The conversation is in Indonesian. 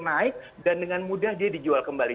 naik dan dengan mudah dia dijual kembali